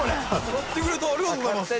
やってくれてありがとうございます。